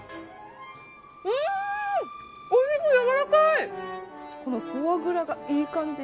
お肉やわらかい。